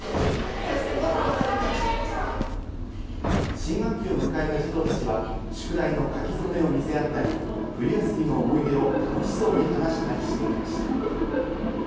新学期を迎えた児童たちは、宿題の書き初めを見せ合ったり、冬休みの思い出を楽しそうに話したりしていました。